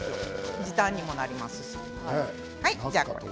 時短にもなります。